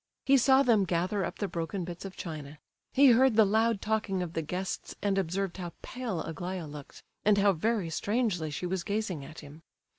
He saw them gather up the broken bits of china; he heard the loud talking of the guests and observed how pale Aglaya looked, and how very strangely she was gazing at him.